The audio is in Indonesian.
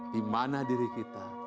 dimana diri kita